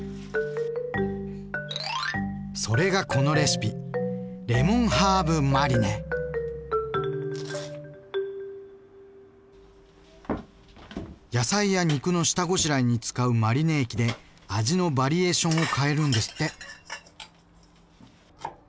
それがこのレシピ野菜や肉の下ごしらえに使うマリネ液で味のバリエーションを変えるんですって。